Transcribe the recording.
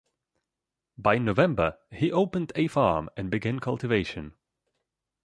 By November, he opened a farm and began cultivation.